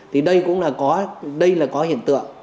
thì đây cũng là đây là có hiện tượng